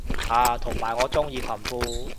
啊同埋我鍾意裙褲